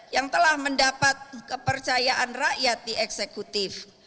yang telah mendapat kepercayaan rakyat di eksekutif